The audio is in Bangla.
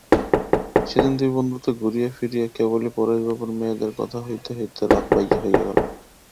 সেদিন দুই বন্ধুতে ঘুরিয়া ফিরিয়া কেবলই পরেশবাবুর মেয়েদের কথা হইতে হইতে রাত হইয়া গেল।